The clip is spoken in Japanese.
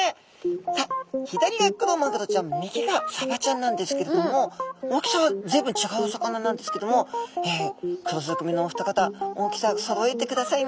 さあ左がクロマグロちゃん右がサバちゃんなんですけれども大きさは随分違うお魚なんですけども黒ずくめのお二方大きさそろえてくださいました。